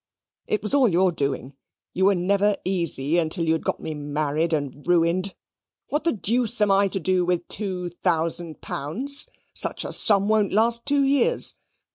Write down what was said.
It was all your doing. You were never easy until you had got me married and ruined. What the deuce am I to do with two thousand pounds? Such a sum won't last two years.